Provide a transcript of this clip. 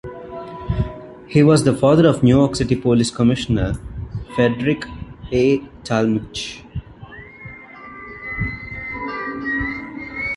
He was the father of New York City Police Commissioner Frederick A. Tallmadge.